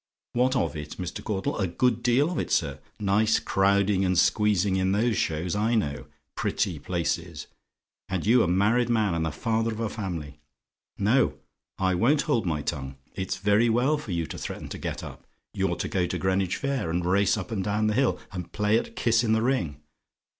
"WHAT OF IT, MR. CAUDLE? "A good deal of it, sir. Nice crowding and squeezing in those shows, I know. Pretty places! And you a married man and the father of a family. No: I won't hold my tongue. It's very well for you to threaten to get up. You're to go to Greenwich Fair, and race up and down the hill, and play at kiss in the ring.